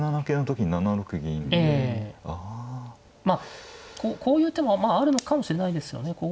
まあこういう手もあるのかもしれないですよね。